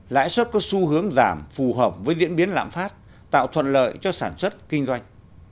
lãi suất có xu hướng giảm phù hợp với diễn biến lạm phát tạo thuận lợi cho sản xuất kinh doanh